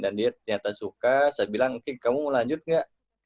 dan dia ternyata suka saya bilang oke kamu mau lanjut gak